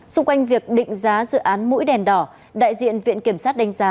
xung quanh việc định giá dự án mũi đèn đỏ đại diện viện kiểm sát đánh giá